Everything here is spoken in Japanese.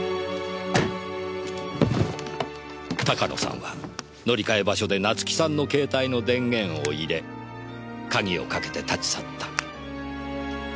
鷹野さんは乗り換え場所で夏樹さんの携帯の電源を入れ鍵をかけて立ち去った。